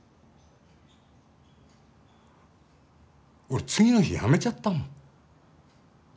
俺次の日辞めちゃったもん。